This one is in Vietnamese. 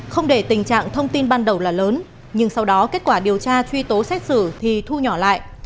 không để tình trạng thông tin ban đầu là lớn nhưng sau đó kết quả điều tra truy tố xét xử thì thu nhỏ lại